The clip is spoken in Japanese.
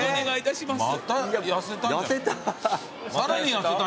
痩せた。